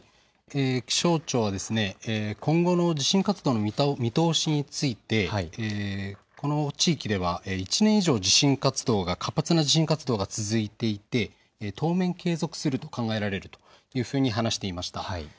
気象庁は今後の地震活動の見通しについてこの地域では１年以上、活発な地震活動が続いていて当面、継続すると考えられるというふうに話していました。